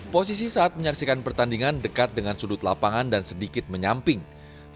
posisi saat menyaksikan pertandingan dekat dengan sudut lapangan dan sedikit menyamping